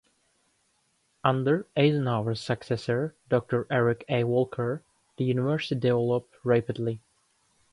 Under Eisenhower's successor, Doctor Eric A. Walker, the university developed rapidly.